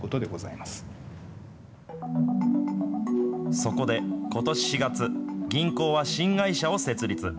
そこでことし４月、銀行は新会社を設立。